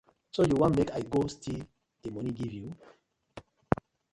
So you want mek I go still di money giv you?